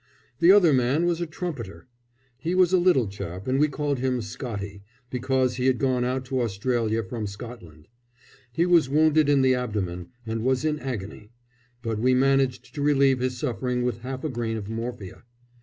The other man was a trumpeter. He was a little chap, and we called him "Scottie," because he had gone out to Australia from Scotland. He was wounded in the abdomen, and was in agony, but we managed to relieve his suffering with half a grain of morphia.